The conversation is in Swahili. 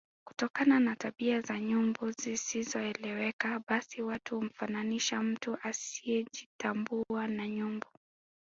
Kutokana na tabia za nyumbu zisizoeleweka basi watu humfananisha mtu asiejitambua na nyumbu